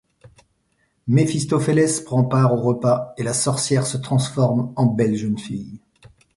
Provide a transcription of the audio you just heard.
Méphistophélès prend part au repas et la sorcière se transforme en belle jeune fille.